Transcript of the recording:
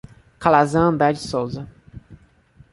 Calazam André de Sousa